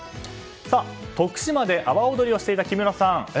徳島で阿波踊りをしていた木村さん。